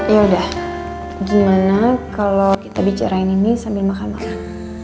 ya udah gimana kalau kita bicarain ini sambil makan makan